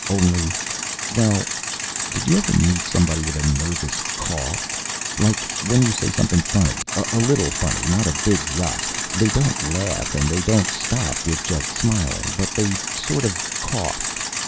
Only Well, did you ever meet somebody with a nervous cough? Like when you say something funny a little funny, not a big yock they don't laugh and they don't stop with just smiling, but they sort of cough?